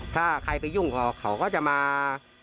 ถ้าใครไปยุ่งกับเขาก็จะมา